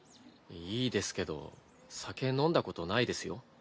いいですけど酒飲んだことないですよ。